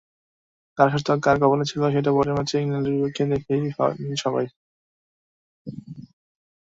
কার শতক কার কপালে ছিল, সেটা পরের ম্যাচে ইংল্যান্ডের বিপক্ষেই দেখেছে সবাই।